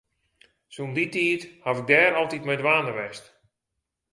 Sûnt dy tiid ha ik dêr altyd mei dwaande west.